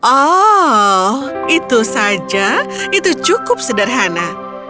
oh itu saja itu cukup sederhana